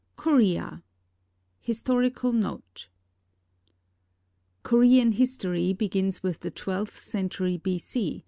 KOREA HISTORICAL NOTE Korean history begins with the twelfth century B.C.